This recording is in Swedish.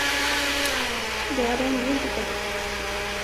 Det hade ändå inte gått.